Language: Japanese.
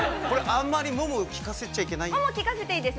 これ、あんまりもも効かせちゃいけない？